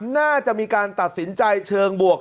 น่าจะมีการตัดสินใจเชิงบวก